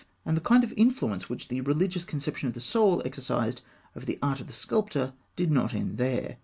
And the kind of influence which the religious conception of the soul exercised over the art of the sculptor did not end here.